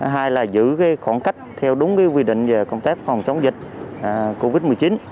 hai là giữ khoảng cách theo đúng quy định về công tác phòng chống dịch covid một mươi chín